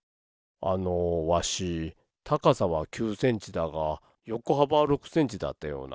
あのわしたかさは９センチだがよこはばは６センチだったような。